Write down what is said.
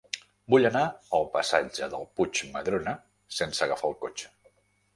Vull anar al passatge del Puig Madrona sense agafar el cotxe.